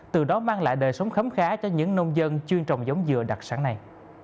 từ đó mang lại đời sống khấm khá cho những nông dân chuyên trồng giống dừa đặc sản này